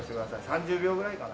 ３０秒ぐらいかな。